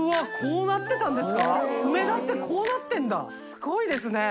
すごいですね。